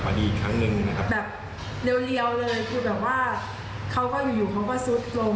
เป็นพระพาแม่คะเหมือนกัน